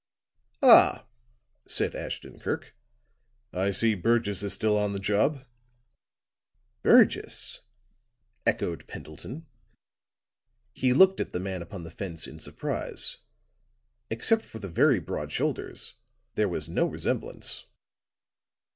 "Ah," said Ashton Kirk, "I see Burgess is still on the job." "Burgess," echoed Pendleton. He looked at the man upon the fence in surprise; except for the very broad shoulders there was no resemblance.